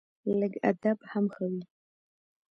لږ ادب هم ښه وي